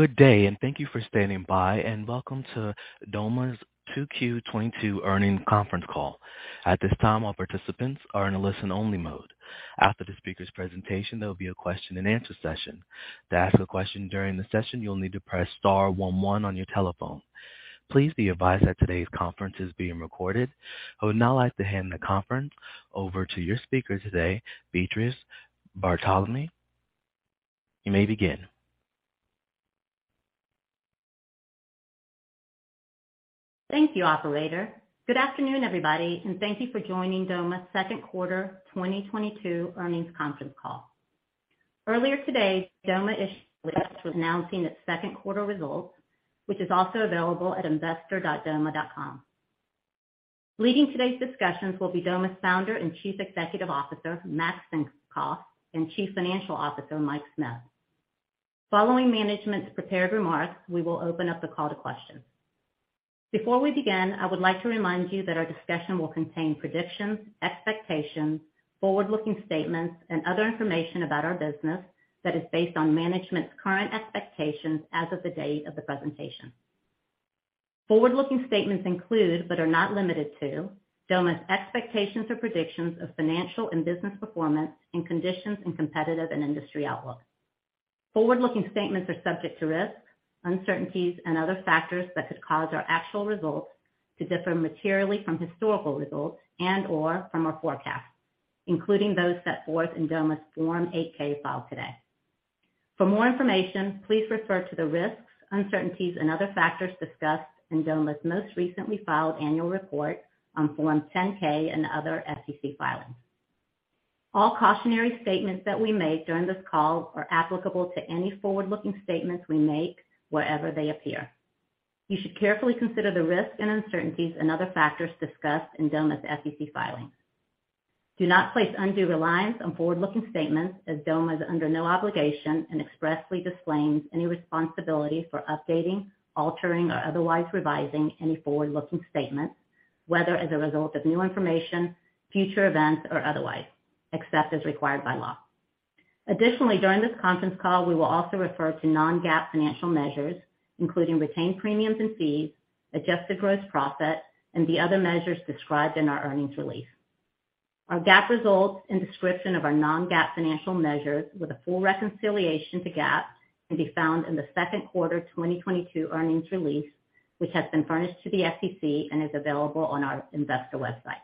Good day, and thank you for standing by, and welcome to Doma Q2 2022 Earnings Conference Call. At this time, all participants are in a listen-only mode. After the speaker's presentation, there will be a question-and-answer session. To ask a question during the session, you'll need to press star one one on your telephone. Please be advised that today's conference is being recorded. I would now like to hand the conference over to your speaker today, Beatriz Bartolome. You may begin. Thank you, operator. Good afternoon, everybody, and thank you for joining Doma's second quarter 2022 earnings conference call. Earlier today, Doma issued a press release announcing its second quarter results, which is also available at investor.doma.com. Leading today's discussions will be Doma's Founder and Chief Executive Officer, Max Simkoff, and Chief Financial Officer, Mike Smith. Following management's prepared remarks, we will open up the call to questions. Before we begin, I would like to remind you that our discussion will contain predictions, expectations, forward-looking statements, and other information about our business that is based on management's current expectations as of the date of the presentation. Forward-looking statements include, but are not limited to, Doma's expectations or predictions of financial and business performance and conditions and competitive and industry outlook. Forward-looking statements are subject to risks, uncertainties and other factors that could cause our actual results to differ materially from historical results and/or from our forecasts, including those set forth in Doma's Form 8-K filed today. For more information, please refer to the risks, uncertainties and other factors discussed in Doma's most recently filed annual report on Form 10-K and other SEC filings. All cautionary statements that we make during this call are applicable to any forward-looking statements we make wherever they appear. You should carefully consider the risks and uncertainties and other factors discussed in Doma's SEC filing. Do not place undue reliance on forward-looking statements as Doma is under no obligation and expressly disclaims any responsibility for updating, altering or otherwise revising any forward-looking statements, whether as a result of new information, future events or otherwise, except as required by law. Additionally, during this conference call, we will also refer to non-GAAP financial measures, including retained premiums and fees, adjusted gross profit and the other measures described in our earnings release. Our GAAP results and description of our non-GAAP financial measures with a full reconciliation to GAAP can be found in the second quarter 2022 earnings release, which has been furnished to the SEC and is available on our investor website.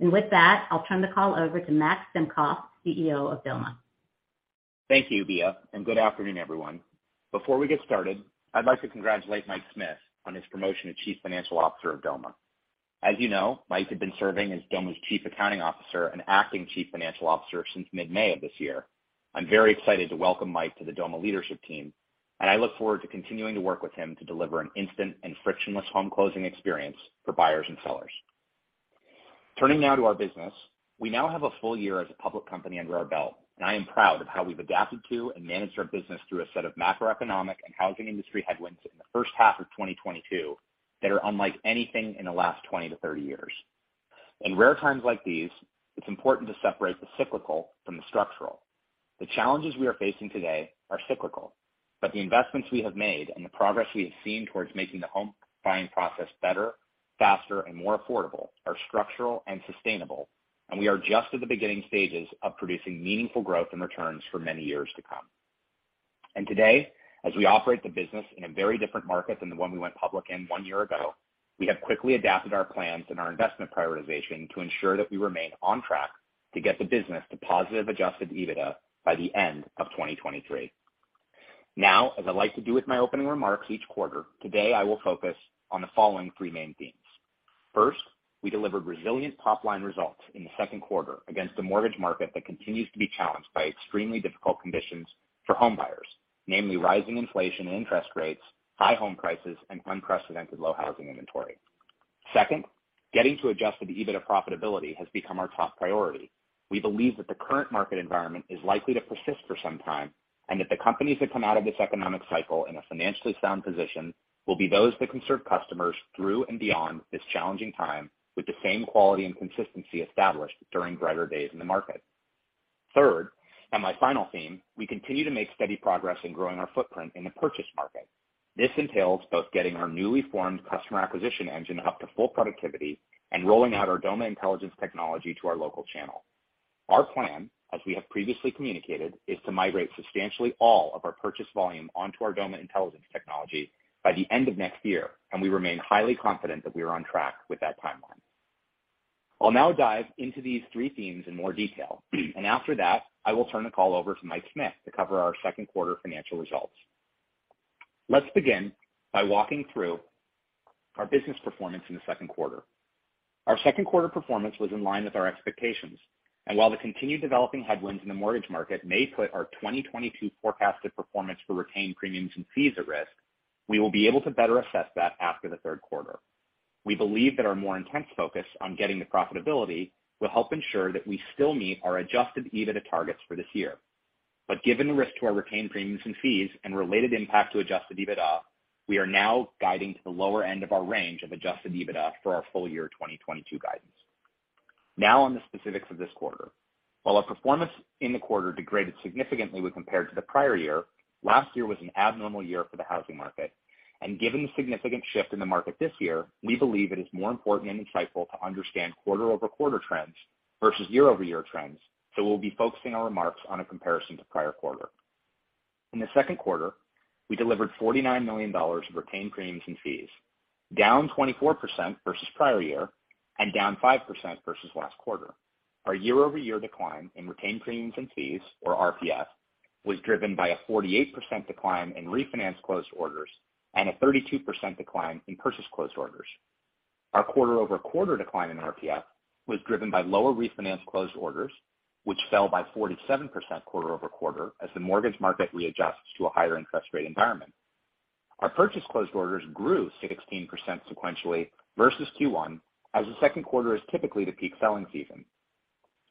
With that, I'll turn the call over to Max Simkoff, CEO of Doma. Thank you, Bea, and good afternoon, everyone. Before we get started, I'd like to congratulate Mike Smith on his promotion to Chief Financial Officer of Doma. As you know, Mike had been serving as Doma's Chief Accounting Officer and acting Chief Financial Officer since mid-May of this year. I'm very excited to welcome Mike to the Doma leadership team, and I look forward to continuing to work with him to deliver an instant and frictionless home closing experience for buyers and sellers. Turning now to our business. We now have a full year as a public company under our belt, and I am proud of how we've adapted to and managed our business through a set of macroeconomic and housing industry headwinds in the first half of 2022 that are unlike anything in the last 20 years-30 years. In rare times like these, it's important to separate the cyclical from the structural. The challenges we are facing today are cyclical, but the investments we have made and the progress we have seen towards making the home buying process better, faster and more affordable are structural and sustainable. We are just at the beginning stages of producing meaningful growth and returns for many years to come. Today, as we operate the business in a very different market than the one we went public in one year ago, we have quickly adapted our plans and our investment prioritization to ensure that we remain on track to get the business to positive adjusted EBITDA by the end of 2023. Now, as I like to do with my opening remarks each quarter, today I will focus on the following three main themes. First, we delivered resilient top-line results in the second quarter against a mortgage market that continues to be challenged by extremely difficult conditions for home buyers, namely rising inflation and interest rates, high home prices, and unprecedented low housing inventory. Second, getting to adjusted EBITDA profitability has become our top priority. We believe that the current market environment is likely to persist for some time, and that the companies that come out of this economic cycle in a financially sound position will be those that can serve customers through and beyond this challenging time with the same quality and consistency established during brighter days in the market. Third, and my final theme, we continue to make steady progress in growing our footprint in the purchase market. This entails both getting our newly formed customer acquisition engine up to full productivity and rolling out our Doma Intelligence technology to our local channel. Our plan, as we have previously communicated, is to migrate substantially all of our purchase volume onto our Doma Intelligence technology by the end of next year, and we remain highly confident that we are on track with that timeline. I'll now dive into these three themes in more detail, and after that, I will turn the call over to Mike Smith to cover our second quarter financial results. Let's begin by walking through our business performance in the second quarter. Our second quarter performance was in line with our expectations, and while the continued developing headwinds in the mortgage market may put our 2022 forecasted performance for retained premiums and fees at risk, we will be able to better assess that after the third quarter. We believe that our more intense focus on getting to profitability will help ensure that we still meet our adjusted EBITDA targets for this year. Given the risk to our retained premiums and fees and related impact to adjusted EBITDA, we are now guiding to the lower end of our range of adjusted EBITDA for our full year 2022 guidance. Now on the specifics of this quarter. While our performance in the quarter degraded significantly when compared to the prior year, last year was an abnormal year for the housing market. Given the significant shift in the market this year, we believe it is more important and insightful to understand quarter-over-quarter trends versus year-over-year trends, so we'll be focusing our remarks on a comparison to prior quarter. In the second quarter, we delivered $49 million of retained premiums and fees, down 24% versus prior year and down 5% versus last quarter. Our year-over-year decline in retained premiums and fees, or RPF, was driven by a 48% decline in refinance closed orders and a 32% decline in purchase closed orders. Our quarter-over-quarter decline in RPF was driven by lower refinance closed orders, which fell by 47% quarter-over-quarter as the mortgage market readjusts to a higher interest rate environment. Our purchase closed orders grew 16% sequentially versus Q1, as the second quarter is typically the peak selling season.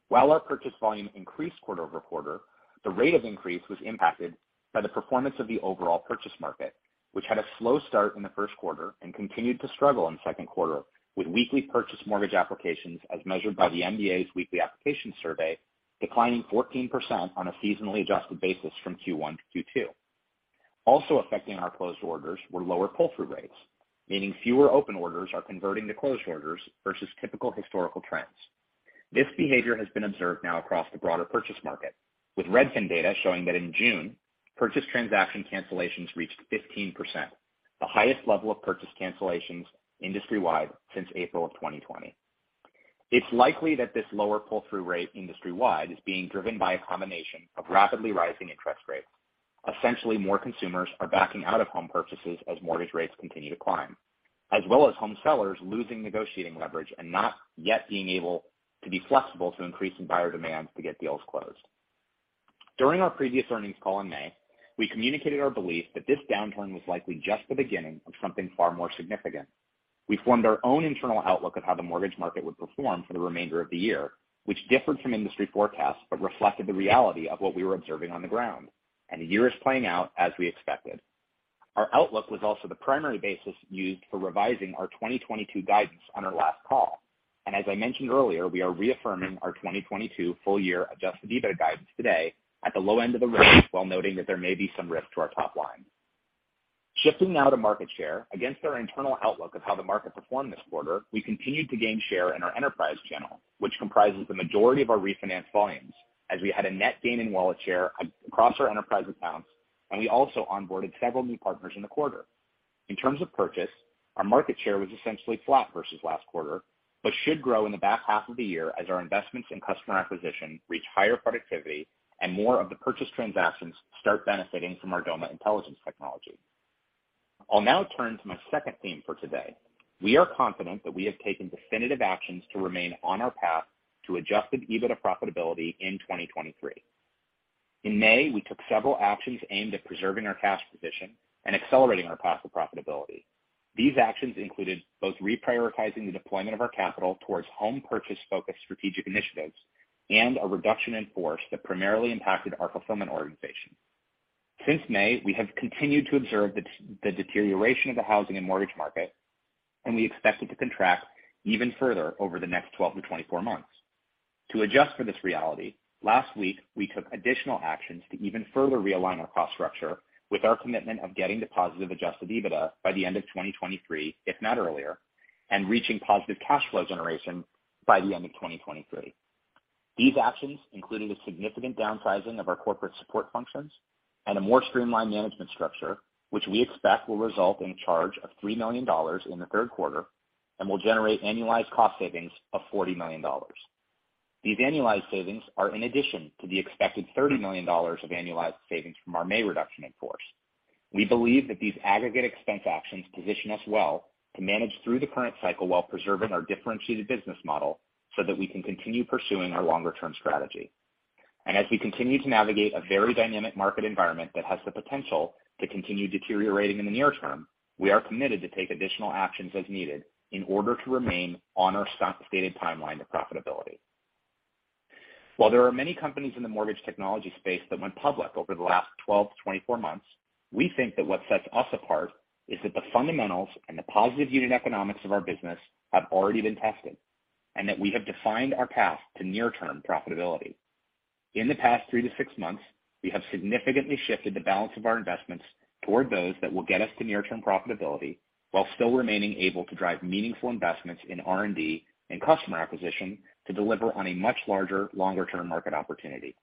While our purchase volume increased quarter over quarter, the rate of increase was impacted by the performance of the overall purchase market, which had a slow start in the first quarter and continued to struggle in the second quarter, with weekly purchase mortgage applications as measured by the MBA's weekly application survey declining 14% on a seasonally adjusted basis from Q1-Q2. Also affecting our closed orders were lower pull-through rates, meaning fewer open orders are converting to closed orders versus typical historical trends. This behavior has been observed now across the broader purchase market, with Redfin data showing that in June, purchase transaction cancellations reached 15%, the highest level of purchase cancellations industry-wide since April of 2020. It's likely that this lower pull-through rate industry-wide is being driven by a combination of rapidly rising interest rates. Essentially, more consumers are backing out of home purchases as mortgage rates continue to climb, as well as home sellers losing negotiating leverage and not yet being able to be flexible to increasing buyer demands to get deals closed. During our previous earnings call in May, we communicated our belief that this downturn was likely just the beginning of something far more significant. We formed our own internal outlook of how the mortgage market would perform for the remainder of the year, which differed from industry forecasts but reflected the reality of what we were observing on the ground, and the year is playing out as we expected. Our outlook was also the primary basis used for revising our 2022 guidance on our last call. As I mentioned earlier, we are reaffirming our 2022 full year adjusted EBITDA guidance today at the low end of the range, while noting that there may be some risk to our top line. Shifting now to market share. Against our internal outlook of how the market performed this quarter, we continued to gain share in our enterprise channel, which comprises the majority of our refinance volumes, as we had a net gain in wallet share across our enterprise accounts, and we also onboarded several new partners in the quarter. In terms of purchase, our market share was essentially flat versus last quarter, but should grow in the back half of the year as our investments in customer acquisition reach higher productivity and more of the purchase transactions start benefiting from our Doma Intelligence technology. I'll now turn to my second theme for today. We are confident that we have taken definitive actions to remain on our path to adjusted EBITDA profitability in 2023. In May, we took several actions aimed at preserving our cash position and accelerating our path of profitability. These actions included both reprioritizing the deployment of our capital towards home purchase-focused strategic initiatives and a reduction in force that primarily impacted our fulfillment organization. Since May, we have continued to observe the deterioration of the housing and mortgage market, and we expect it to contract even further over the next 12 months-24 months. To adjust for this reality, last week, we took additional actions to even further realign our cost structure with our commitment of getting to positive adjusted EBITDA by the end of 2023, if not earlier, and reaching positive cash flow generation by the end of 2023. These actions included a significant downsizing of our corporate support functions and a more streamlined management structure, which we expect will result in a charge of $3 million in the third quarter and will generate annualized cost savings of $40 million. These annualized savings are in addition to the expected $30 million of annualized savings from our May reduction in force. We believe that these aggregate expense actions position us well to manage through the current cycle while preserving our differentiated business model so that we can continue pursuing our longer-term strategy. As we continue to navigate a very dynamic market environment that has the potential to continue deteriorating in the near term, we are committed to take additional actions as needed in order to remain on our stated timeline to profitability. While there are many companies in the mortgage technology space that went public over the last 12 months-24 months, we think that what sets us apart is that the fundamentals and the positive unit economics of our business have already been tested and that we have defined our path to near-term profitability. In the past three to six months, we have significantly shifted the balance of our investments toward those that will get us to near-term profitability while still remaining able to drive meaningful investments in R&D and customer acquisition to deliver on a much larger, longer-term market opportunity.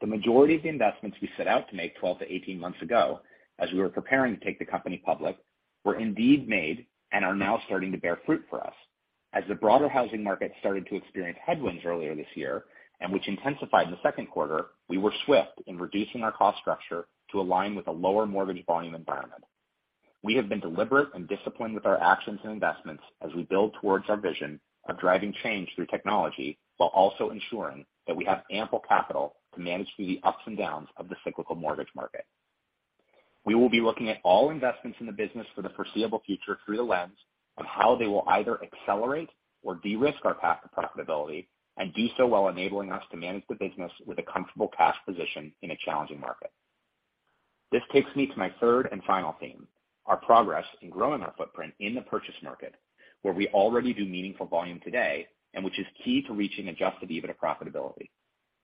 The majority of the investments we set out to make 12 months-18 months ago, as we were preparing to take the company public, were indeed made and are now starting to bear fruit for us. As the broader housing market started to experience headwinds earlier this year, and which intensified in the second quarter, we were swift in reducing our cost structure to align with a lower mortgage volume environment. We have been deliberate and disciplined with our actions and investments as we build towards our vision of driving change through technology while also ensuring that we have ample capital to manage through the ups and downs of the cyclical mortgage market. We will be looking at all investments in the business for the foreseeable future through the lens of how they will either accelerate or de-risk our path to profitability and do so while enabling us to manage the business with a comfortable cash position in a challenging market. This takes me to my third and final theme, our progress in growing our footprint in the purchase market, where we already do meaningful volume today, and which is key to reaching adjusted EBITDA profitability.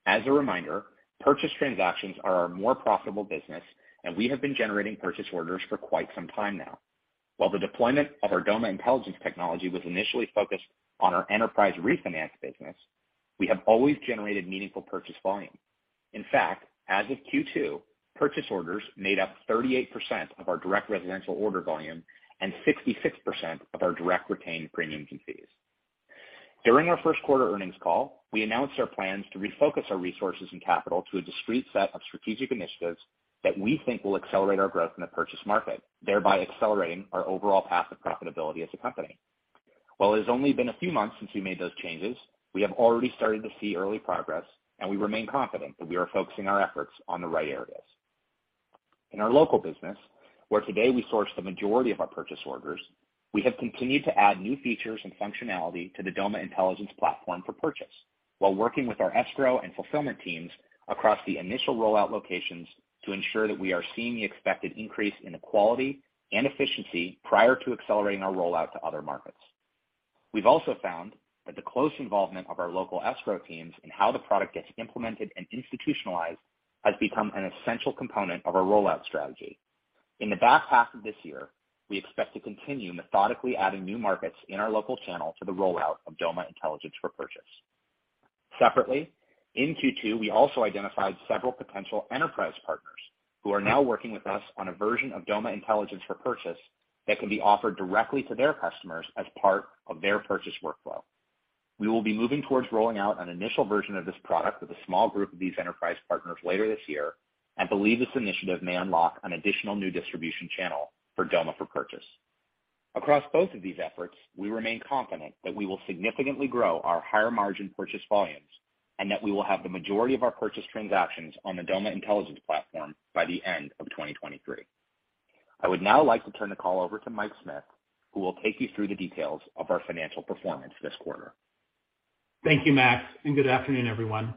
As a reminder, purchase transactions are our more profitable business, and we have been generating purchase orders for quite some time now. While the deployment of our Doma Intelligence technology was initially focused on our enterprise refinance business, we have always generated meaningful purchase volume. In fact, as of Q2, purchase orders made up 38% of our direct residential order volume and 66% of our direct retained premiums and fees. During our first quarter earnings call, we announced our plans to refocus our resources and capital to a discrete set of strategic initiatives that we think will accelerate our growth in the purchase market, thereby accelerating our overall path of profitability as a company. While it has only been a few months since we made those changes, we have already started to see early progress, and we remain confident that we are focusing our efforts on the right areas. In our local business, where today we source the majority of our purchase orders, we have continued to add new features and functionality to the Doma Intelligence platform for purchase while working with our escrow and fulfillment teams across the initial rollout locations to ensure that we are seeing the expected increase in the quality and efficiency prior to accelerating our rollout to other markets. We've also found that the close involvement of our local escrow teams in how the product gets implemented and institutionalized has become an essential component of our rollout strategy. In the back half of this year, we expect to continue methodically adding new markets in our local channel to the rollout of Doma Intelligence for purchase. Separately, in Q2, we also identified several potential enterprise partners who are now working with us on a version of Doma Intelligence for purchase that can be offered directly to their customers as part of their purchase workflow. We will be moving towards rolling out an initial version of this product with a small group of these enterprise partners later this year and believe this initiative may unlock an additional new distribution channel for Doma for purchase. Across both of these efforts, we remain confident that we will significantly grow our higher-margin purchase volumes and that we will have the majority of our purchase transactions on the Doma Intelligence platform by the end of 2023. I would now like to turn the call over to Mike Smith, who will take you through the details of our financial performance this quarter. Thank you, Max, and good afternoon, everyone.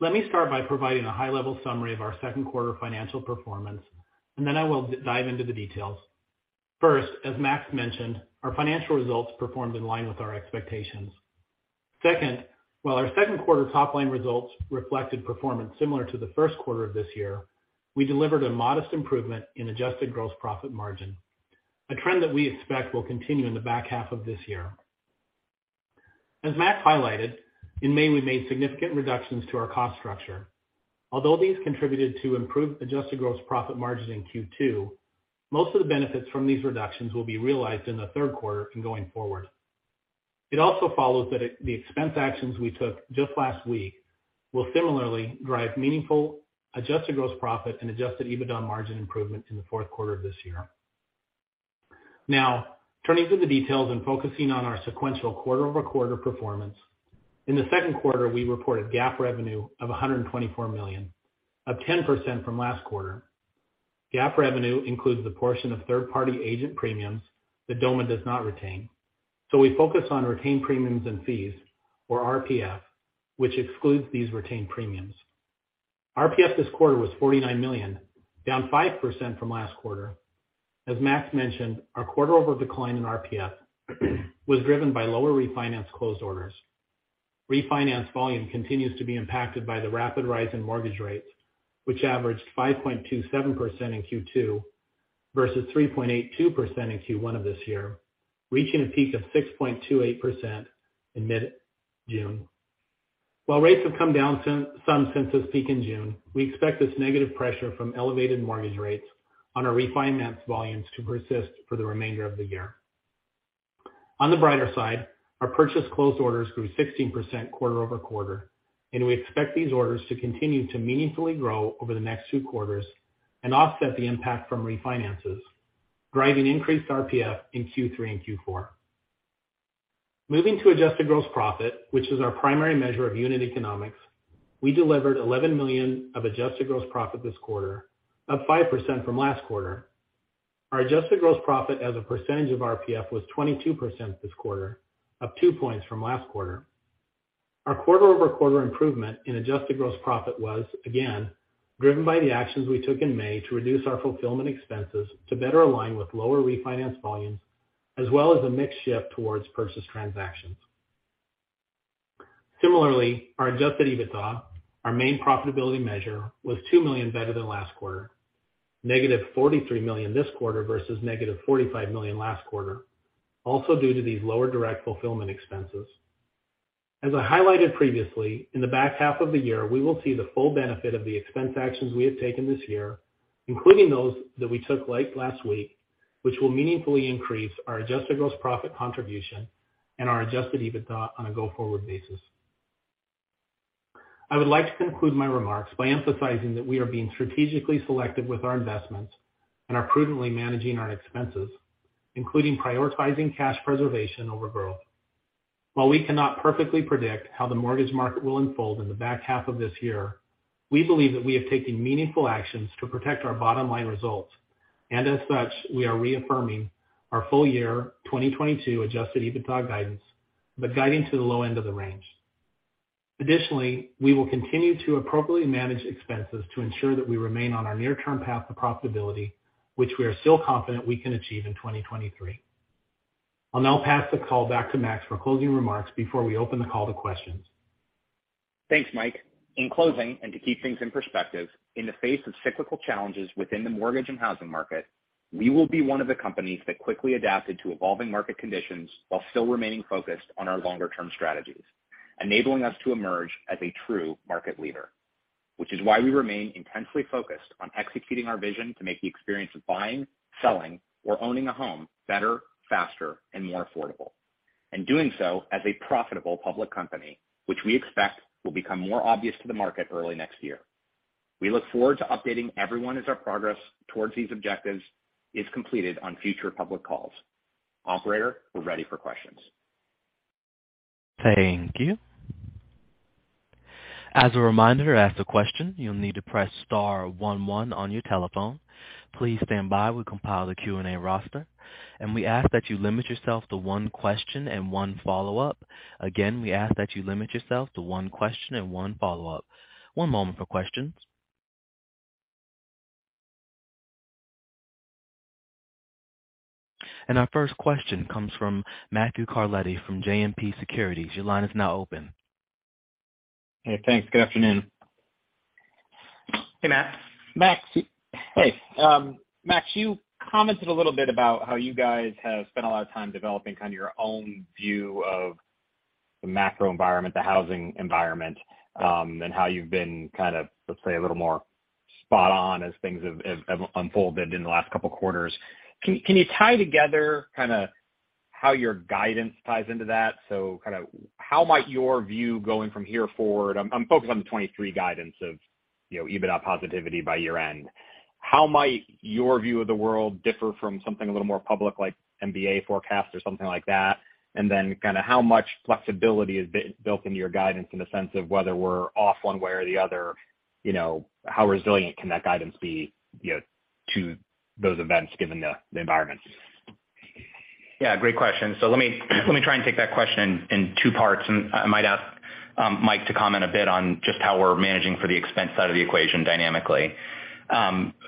Let me start by providing a high-level summary of our second quarter financial performance, and then I will dive into the details. First, as Max mentioned, our financial results performed in line with our expectations. Second, while our second quarter top-line results reflected performance similar to the first quarter of this year, we delivered a modest improvement in adjusted gross profit margin, a trend that we expect will continue in the back half of this year. As Max highlighted, in May, we made significant reductions to our cost structure. Although these contributed to improved adjusted gross profit margins in Q2, most of the benefits from these reductions will be realized in the third quarter and going forward. It also follows that the expense actions we took just last week will similarly drive meaningful adjusted gross profit and adjusted EBITDA margin improvement in the fourth quarter of this year. Now, turning to the details and focusing on our sequential quarter-over-quarter performance. In the second quarter, we reported GAAP revenue of $124 million, up 10% from last quarter. GAAP revenue includes the portion of third-party agent premiums that Doma does not retain, so we focus on retained premiums and fees, or RPF, which excludes these retained premiums. RPF this quarter was $49 million, down 5% from last quarter. As Max mentioned, our quarter-over-quarter decline in RPF was driven by lower refinance closed orders. Refinance volume continues to be impacted by the rapid rise in mortgage rates, which averaged 5.27% in Q2 versus 3.82% in Q1 of this year, reaching a peak of 6.28% in mid-June. While rates have come down some since this peak in June, we expect this negative pressure from elevated mortgage rates on our refinance volumes to persist for the remainder of the year. On the brighter side, our purchase closed orders grew 16% quarter-over-quarter, and we expect these orders to continue to meaningfully grow over the next two quarters and offset the impact from refinances, driving increased RPF in Q3 and Q4. Moving to adjusted gross profit, which is our primary measure of unit economics, we delivered $11 million of adjusted gross profit this quarter, up 5% from last quarter. Our adjusted gross profit as a percentage of RPF was 22% this quarter, up 2 points from last quarter. Our quarter-over-quarter improvement in adjusted gross profit was, again, driven by the actions we took in May to reduce our fulfillment expenses to better align with lower refinance volumes, as well as a mix shift towards purchase transactions. Similarly, our adjusted EBITDA, our main profitability measure, was $2 million better than last quarter, -$43 million this quarter versus -$45 million last quarter, also due to these lower direct fulfillment expenses. As I highlighted previously, in the back half of the year, we will see the full benefit of the expense actions we have taken this year, including those that we took late last week, which will meaningfully increase our adjusted gross profit contribution and our adjusted EBITDA on a go-forward basis. I would like to conclude my remarks by emphasizing that we are being strategically selective with our investments and are prudently managing our expenses, including prioritizing cash preservation over growth. While we cannot perfectly predict how the mortgage market will unfold in the back half of this year, we believe that we have taken meaningful actions to protect our bottom line results. As such, we are reaffirming our full year 2022 adjusted EBITDA guidance, but guiding to the low end of the range. Additionally, we will continue to appropriately manage expenses to ensure that we remain on our near-term path to profitability, which we are still confident we can achieve in 2023. I'll now pass the call back to Max for closing remarks before we open the call to questions. Thanks, Mike. In closing, and to keep things in perspective, in the face of cyclical challenges within the mortgage and housing market, we will be one of the companies that quickly adapted to evolving market conditions while still remaining focused on our longer-term strategies, enabling us to emerge as a true market leader. Which is why we remain intensely focused on executing our vision to make the experience of buying, selling or owning a home better, faster, and more affordable, and doing so as a profitable public company, which we expect will become more obvious to the market early next year. We look forward to updating everyone as our progress towards these objectives is completed on future public calls. Operator, we're ready for questions. Thank you. As a reminder, to ask a question, you'll need to press star one one on your telephone. Please stand by. We'll compile the Q&A roster, and we ask that you limit yourself to one question and one follow-up. Again, we ask that you limit yourself to one question and one follow-up. One moment for questions. Our first question comes from Matthew Carletti from JMP Securities. Your line is now open. Hey, thanks. Good afternoon. Hey, Matt. Hey, Max, you commented a little bit about how you guys have spent a lot of time developing kind of your own view of the macro environment, the housing environment, and how you've been kind of, let's say, a little more spot on as things have unfolded in the last couple of quarters. Can you tie together kind of how your guidance ties into that? Kind of how might your view going from here forward. I'm focused on the 2023 guidance of, you know, EBITDA positivity by year-end. How might your view of the world differ from something a little more public, like MBA forecast or something like that? Kind of how much flexibility is built into your guidance in the sense of whether we're off one way or the other, you know, how resilient can that guidance be, you know, to those events given the environment? Yeah, great question. Let me try and take that question in two parts, and I might ask Mike to comment a bit on just how we're managing for the expense side of the equation dynamically.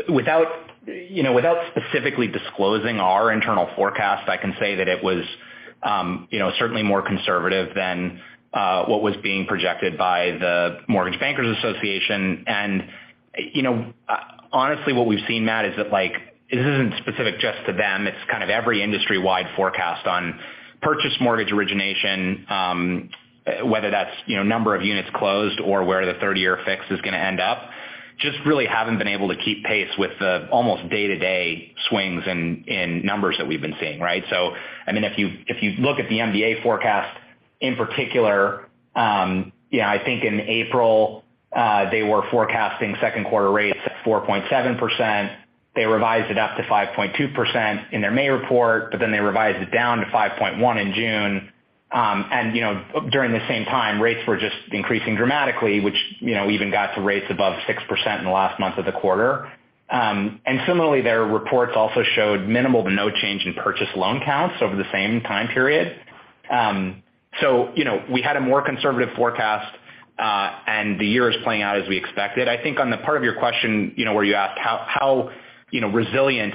Without, you know, without specifically disclosing our internal forecast, I can say that it was, you know, certainly more conservative than what was being projected by the Mortgage Bankers Association. You know, honestly, what we've seen, Matt, is that like, this isn't specific just to them. It's kind of every industry-wide forecast on purchase mortgage origination, whether that's, you know, number of units closed or where the 30-year fixed is gonna end up, just really haven't been able to keep pace with the almost day-to-day swings in numbers that we've been seeing, right? I mean, if you look at the MBA forecast in particular, you know, I think in April, they were forecasting second quarter rates at 4.7%. They revised it up to 5.2% in their May report, but then they revised it down to 5.1% in June. And, you know, during the same time, rates were just increasing dramatically, which, you know, even got to rates above 6% in the last month of the quarter. And similarly, their reports also showed minimal to no change in purchase loan counts over the same time period. So, you know, we had a more conservative forecast, and the year is playing out as we expected. I think on the part of your question, you know, where you asked how, you know, resilient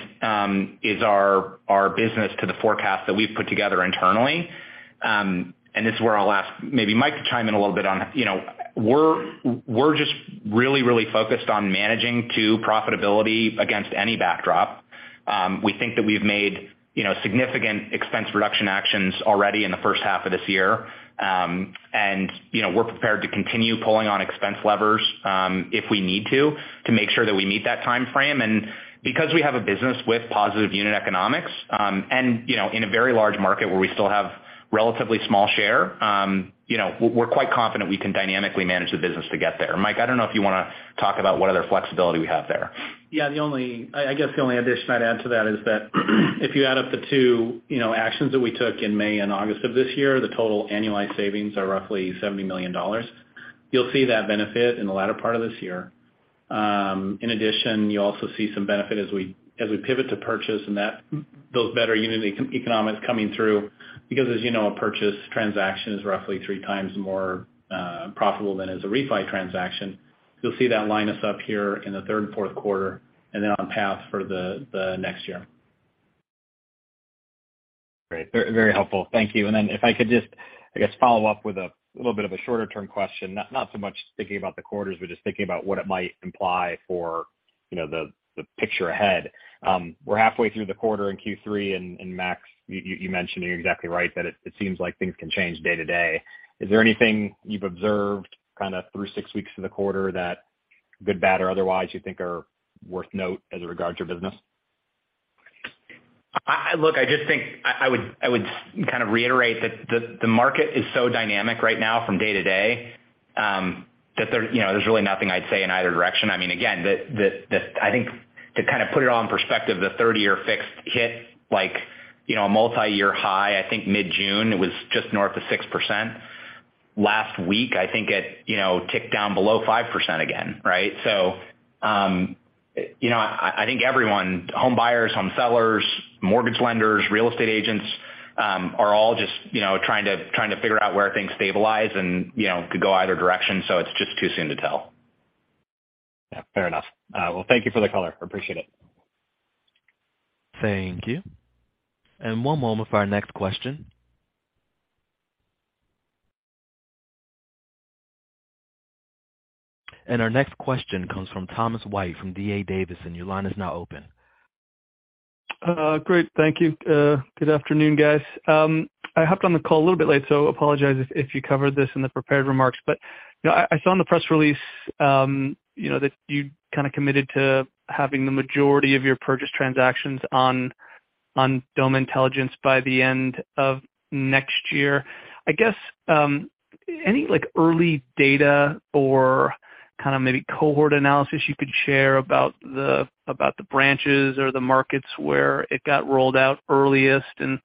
is our business to the forecast that we've put together internally, and this is where I'll ask maybe Mike to chime in a little bit on. You know, we're just really focused on managing to profitability against any backdrop. We think that we've made, you know, significant expense reduction actions already in the first half of this year. You know, we're prepared to continue pulling on expense levers, if we need to make sure that we meet that timeframe. Because we have a business with positive unit economics, and, you know, in a very large market where we still have relatively small share, you know, we're quite confident we can dynamically manage the business to get there. Mike, I don't know if you wanna talk about what other flexibility we have there. Yeah, I guess the only addition I'd add to that is that if you add up the two, you know, actions that we took in May and August of this year, the total annualized savings are roughly $70 million. You'll see that benefit in the latter part of this year. In addition, you'll also see some benefit as we pivot to purchase, and that builds better unit economics coming through, because, as you know, a purchase transaction is roughly 3x more profitable than a refi transaction. You'll see that line us up here in the third and fourth quarter and then on path for the next year. Great. Very helpful. Thank you. Then if I could just, I guess, follow up with a little bit of a shorter-term question, not so much thinking about the quarters, but just thinking about what it might imply for, you know, the picture ahead. We're halfway through the quarter in Q3, and Max, you mentioned, and you're exactly right that it seems like things can change day to day. Is there anything you've observed kind of through six weeks of the quarter that, good, bad or otherwise, you think are worth noting as regards your business? Look, I just think I would kind of reiterate that the market is so dynamic right now from day to day, you know, that there's really nothing I'd say in either direction. I mean, again, I think to kind of put it all in perspective, the 30-year fixed hit, like, you know, a multiyear high, I think mid-June. It was just north of 6%. Last week, I think it, you know, ticked down below 5% again, right? You know, I think everyone, home buyers, home sellers, mortgage lenders, real estate agents, are all just, you know, trying to figure out where things stabilize and, you know, could go either direction. It's just too soon to tell. Yeah, fair enough. Well, thank you for the color. Appreciate it. Thank you. One moment for our next question. Our next question comes from Thomas White from D.A. Davidson, and your line is now open. Great. Thank you. Good afternoon, guys. I hopped on the call a little bit late, so apologize if you covered this in the prepared remarks. You know, I saw in the press release, you know, that you kinda committed to having the majority of your purchase transactions on Doma Intelligence by the end of next year. I guess, like, early data or kinda maybe cohort analysis you could share about the branches or the markets where it got rolled out earliest and,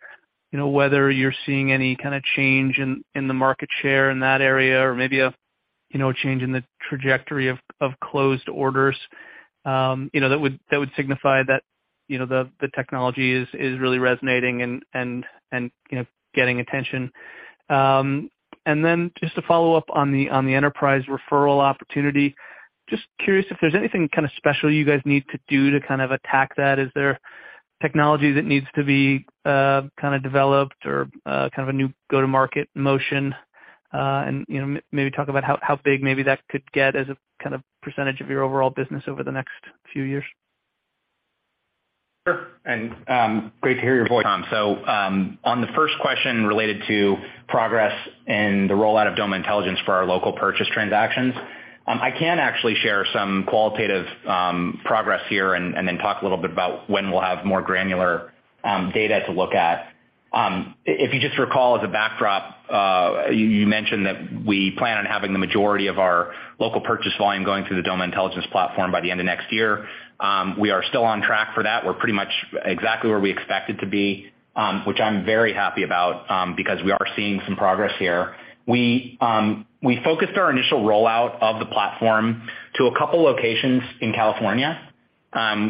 you know, whether you're seeing any kinda change in the market share in that area or maybe a change in the trajectory of closed orders, you know, that would signify that, you know, the technology is really resonating and getting attention. Just to follow up on the enterprise referral opportunity, just curious if there's anything kinda special you guys need to do to kind of attack that. Is there technology that needs to be kinda developed or kind of a new go-to-market motion? You know, maybe talk about how big maybe that could get as a kind of percentage of your overall business over the next few years. Sure. Great to hear your voice, Tom. On the first question related to progress and the rollout of Doma Intelligence for our local purchase transactions, I can actually share some qualitative progress here and then talk a little bit about when we'll have more granular data to look at. If you just recall as a backdrop, you mentioned that we plan on having the majority of our local purchase volume going through the Doma Intelligence platform by the end of next year. We are still on track for that. We're pretty much exactly where we expected to be, which I'm very happy about, because we are seeing some progress here. We focused our initial rollout of the platform to a couple locations in California.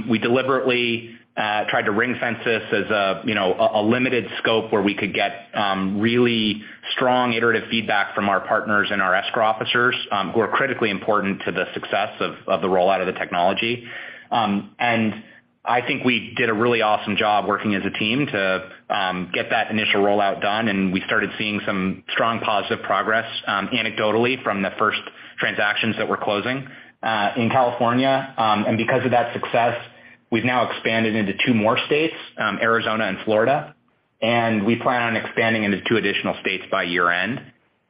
We deliberately tried to ring-fence this as, you know, a limited scope where we could get really strong iterative feedback from our partners and our escrow officers, who are critically important to the success of the rollout of the technology. I think we did a really awesome job working as a team to get that initial rollout done, and we started seeing some strong positive progress, anecdotally from the first transactions that we're closing in California. Because of that success, we've now expanded into two more states, Arizona and Florida. We plan on expanding into two additional states by year-end.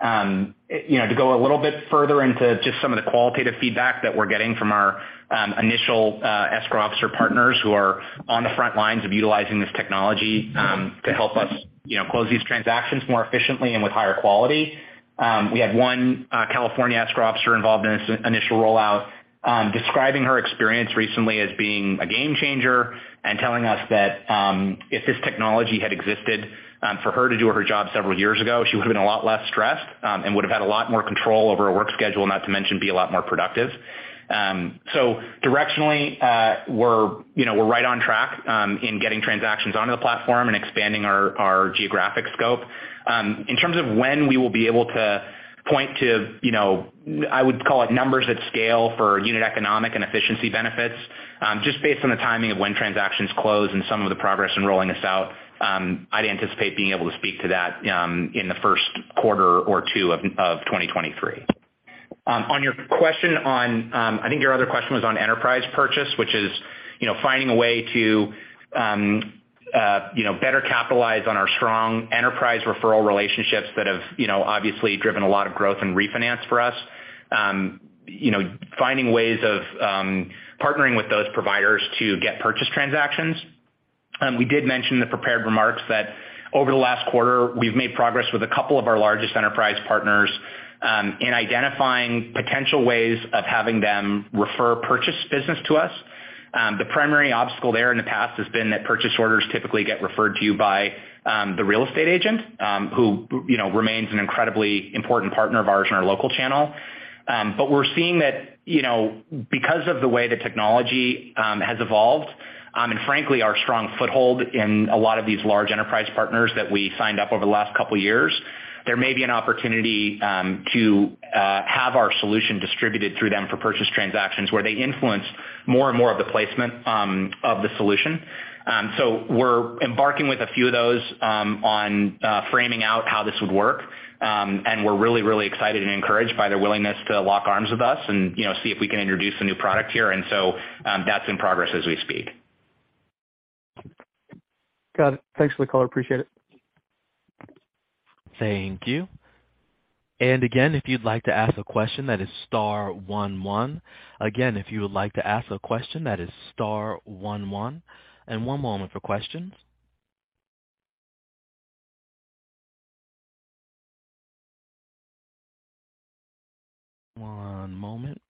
You know, to go a little bit further into just some of the qualitative feedback that we're getting from our initial escrow officer partners who are on the front lines of utilizing this technology to help us, you know, close these transactions more efficiently and with higher quality. We had one California escrow officer involved in this initial rollout describing her experience recently as being a game changer and telling us that if this technology had existed for her to do her job several years ago, she would have been a lot less stressed and would have had a lot more control over her work schedule, not to mention be a lot more productive. Directionally, you know, we're right on track in getting transactions onto the platform and expanding our geographic scope. In terms of when we will be able to point to, you know, I would call it numbers at scale for unit economics and efficiency benefits, just based on the timing of when transactions close and some of the progress in rolling this out, I'd anticipate being able to speak to that in the first quarter or Q2 2023. On your question on, I think your other question was on enterprise purchase, which is, you know, finding a way to, you know, better capitalize on our strong enterprise referral relationships that have, you know, obviously driven a lot of growth in refinance for us. You know, finding ways of partnering with those providers to get purchase transactions. We did mention in the prepared remarks that over the last quarter, we've made progress with a couple of our largest enterprise partners in identifying potential ways of having them refer purchase business to us. The primary obstacle there in the past has been that purchase orders typically get referred to you by the real estate agent who, you know, remains an incredibly important partner of ours in our local channel. We're seeing that, you know, because of the way the technology has evolved and frankly, our strong foothold in a lot of these large enterprise partners that we signed up over the last couple years, there may be an opportunity to have our solution distributed through them for purchase transactions where they influence more and more of the placement of the solution. We're embarking with a few of those on framing out how this would work. We're really excited and encouraged by their willingness to lock arms with us and, you know, see if we can introduce a new product here. That's in progress as we speak. Got it. Thanks for the call. Appreciate it. Thank you. Again, if you'd like to ask a question, that is star one one. Again, if you would like to ask a question, that is star one one. One moment for questions. One moment.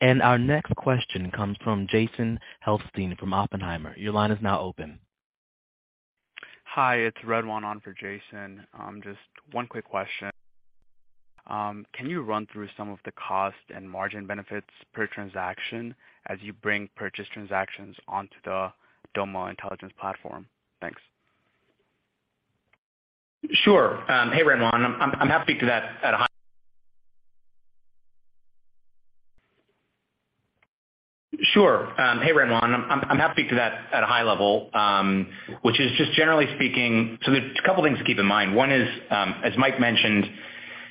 Our next question comes from Jason Helfstein from Oppenheimer. Your line is now open. Hi, it's Redwan on for Jason. Just one quick question. Can you run through some of the cost and margin benefits per transaction as you bring purchase transactions onto the Doma Intelligence platform? Thanks. Sure. Hey, Redwan. I'm happy to touch on that at a high level, which is just generally speaking. There's a couple things to keep in mind. One is, as Mike mentioned,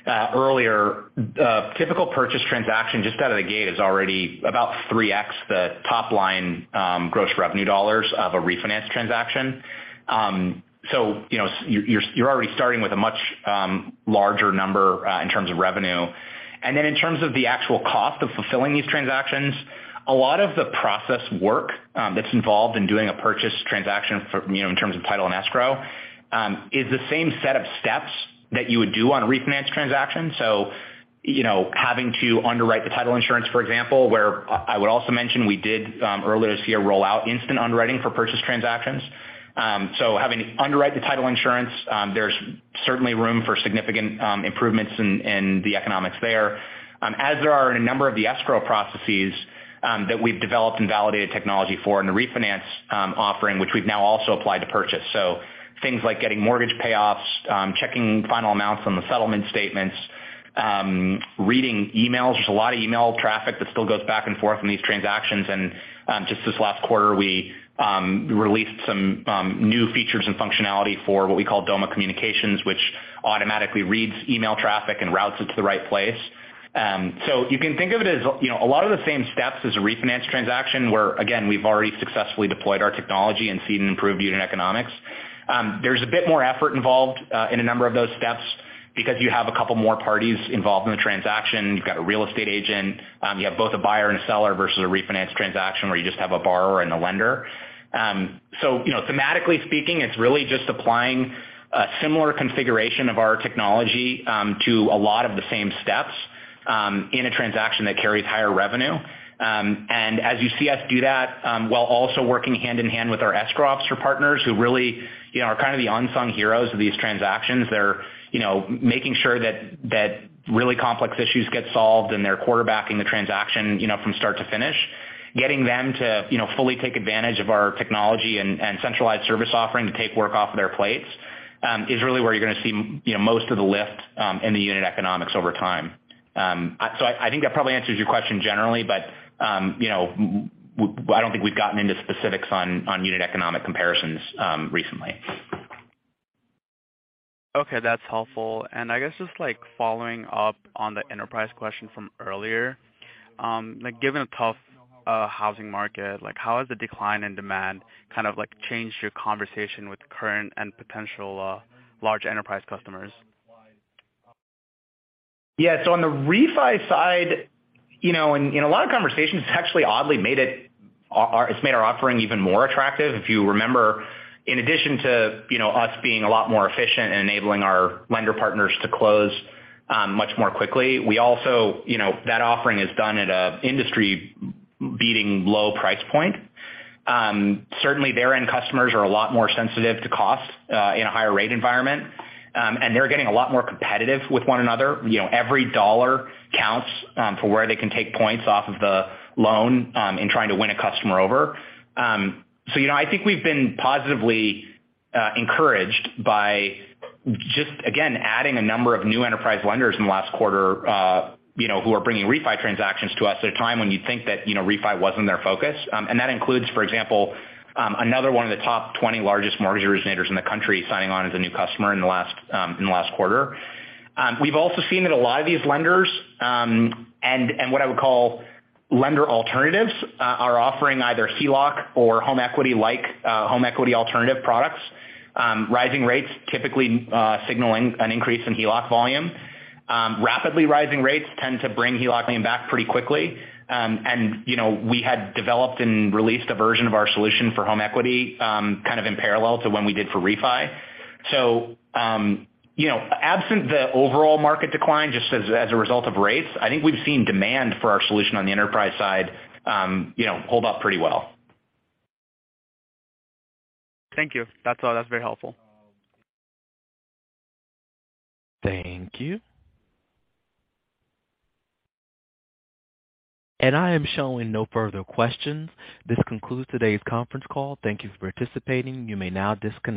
earlier, a typical purchase transaction just out of the gate is already about 3x the top line gross revenue dollars of a refinance transaction. You know, you're already starting with a much larger number in terms of revenue. In terms of the actual cost of fulfilling these transactions, a lot of the process work that's involved in doing a purchase transaction, you know, in terms of title and escrow, is the same set of steps that you would do on a refinance transaction. You know, having to underwrite the title insurance, for example, I would also mention we did earlier this year roll out instant underwriting for purchase transactions. There's certainly room for significant improvements in the economics there. As there are in a number of the escrow processes that we've developed and validated technology for in the refinance offering, which we've now also applied to purchase. Things like getting mortgage payoffs, checking final amounts on the settlement statements, reading emails. There's a lot of email traffic that still goes back and forth in these transactions. Just this last quarter we released some new features and functionality for what we call Doma Communications, which automatically reads email traffic and routes it to the right place. You can think of it as, you know, a lot of the same steps as a refinance transaction, where again, we've already successfully deployed our technology and seen an improved unit economics. There's a bit more effort involved in a number of those steps because you have a couple more parties involved in the transaction. You've got a real estate agent, you have both a buyer and seller versus a refinance transaction where you just have a borrower and a lender. You know, thematically speaking, it's really just applying a similar configuration of our technology to a lot of the same steps in a transaction that carries higher revenue. As you see us do that, while also working hand in hand with our escrow officer partners who really, you know, are kind of the unsung heroes of these transactions. They're, you know, making sure that really complex issues get solved, and they're quarterbacking the transaction, you know, from start to finish. Getting them to, you know, fully take advantage of our technology and centralized service offering to take work off of their plates, is really where you're gonna see, you know, most of the lift, in the unit economics over time. I think that probably answers your question generally, but, you know, I don't think we've gotten into specifics on unit economics comparisons, recently. Okay. That's helpful. I guess just like following up on the enterprise question from earlier, like given a tough, housing market, like how has the decline in demand kind of like changed your conversation with current and potential, large enterprise customers? Yeah. On the refi side, you know, in a lot of conversations, it's actually oddly made our offering even more attractive. If you remember, in addition to, you know, us being a lot more efficient in enabling our lender partners to close much more quickly, we also, you know, that offering is done at an industry beating low price point. Certainly their end customers are a lot more sensitive to cost in a higher rate environment. They're getting a lot more competitive with one another. You know, every dollar counts for where they can take points off of the loan in trying to win a customer over. You know, I think we've been positively encouraged by just again adding a number of new enterprise lenders in the last quarter, you know, who are bringing refi transactions to us at a time when you'd think that, you know, refi wasn't their focus. That includes, for example, another one of the top 20 largest mortgage originators in the country signing on as a new customer in the last quarter. We've also seen that a lot of these lenders and what I would call lender alternatives are offering either HELOC or home equity like home equity alternative products. Rising rates typically signaling an increase in HELOC volume. Rapidly rising rates tend to bring HELOC loan back pretty quickly. You know, we had developed and released a version of our solution for home equity, kind of in parallel to when we did for refi. You know, absent the overall market decline, just as a result of rates, I think we've seen demand for our solution on the enterprise side, you know, hold up pretty well. Thank you. That's all. That's very helpful. Thank you. I am showing no further questions. This concludes today's conference call. Thank you for participating. You may now disconnect.